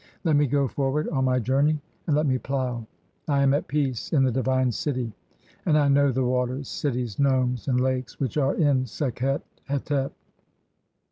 Let me go forward on my journey, and let me plough. "I am at peace in the divine city, J and I know the waters, "cities, (23) nomes, and lakes which are in Sekhet hetep.